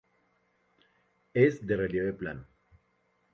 Es de relieve plano.